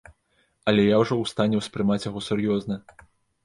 Але я ўжо ў стане ўспрымаць яго сур'ёзна.